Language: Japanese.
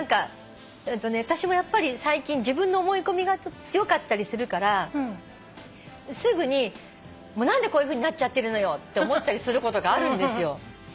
私も最近自分の思い込みが強かったりするからすぐに何でこういうふうになっちゃってるのよ！って思ったりすることがあるんですよ。